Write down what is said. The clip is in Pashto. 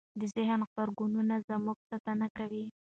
د ذهن غبرګونونه زموږ ساتنه کوي.